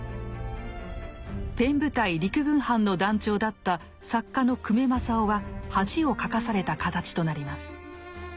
ペン部隊陸軍班の団長だった作家の久米正雄は恥をかかされた形となります。